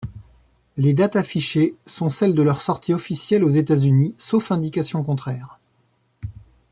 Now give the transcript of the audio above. Les dates affichées sont celles de leur sortie officielle aux États-Unis, sauf indication contraire.